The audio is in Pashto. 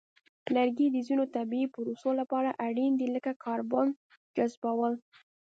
لرګي د ځینو طبیعی پروسو لپاره اړین دي، لکه کاربن جذبول.